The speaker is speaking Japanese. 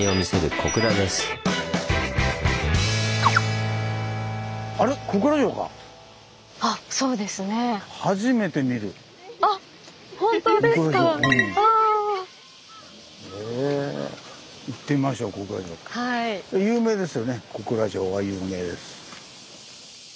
小倉城は有名です。